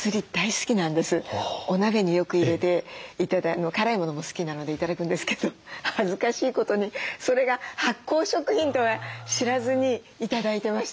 お鍋によく入れて辛いものも好きなので頂くんですけど恥ずかしいことにそれが発酵食品とは知らずに頂いてました。